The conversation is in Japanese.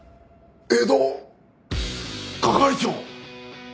江戸係長！？